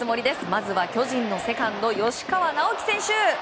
まずは巨人のセカンド吉川尚輝選手！